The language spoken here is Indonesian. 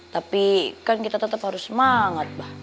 tapi kan kita tetap harus semangat mbak